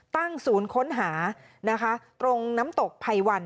ตั้งศูนย์ค้นหานะคะตรงน้ำตกภัยวัน